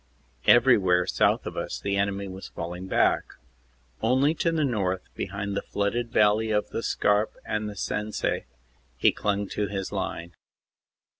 Everywhere south of us the enemy was falling back. Only to the north, behind the flooded valley of the Scarpe and the Sensee, he clung to his line.